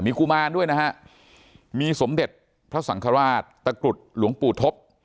กุมารด้วยนะฮะมีสมเด็จพระสังฆราชตะกรุดหลวงปู่ทบ